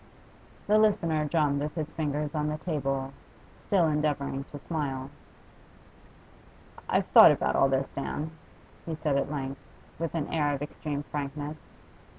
The listener drummed with his fingers on the table, still endeavouring to smile. 'I've thought about all this, Dan,' he said at length, with an air of extreme frankness.